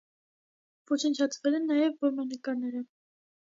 Ոչնչացվել են նաև որմնանկարները։